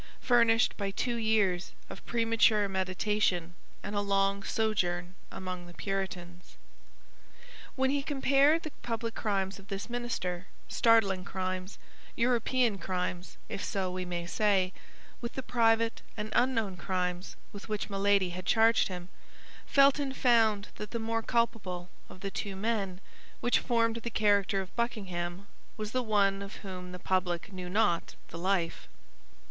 furnished by two years of premature meditation and a long sojourn among the Puritans. When he compared the public crimes of this minister—startling crimes, European crimes, if so we may say—with the private and unknown crimes with which Milady had charged him, Felton found that the more culpable of the two men which formed the character of Buckingham was the one of whom the public knew not the life.